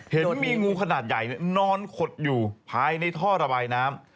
เห็นมีงูขนาดใหญ่นอนขดอยู่ภายในท่อระบายน้ำ